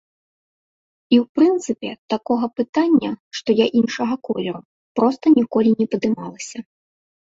І, у прынцыпе, такога пытання, што я іншага колеру, проста ніколі не падымалася.